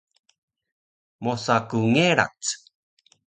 mosa ku ngerac